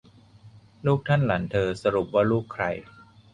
ลูกท่านหลานเธอ สรุปว่าลูกใคร